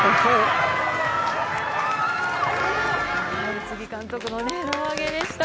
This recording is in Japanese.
宇津木監督の胴上げでした。